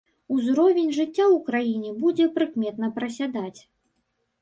Узровень жыцця ў краіне будзе прыкметна прасядаць.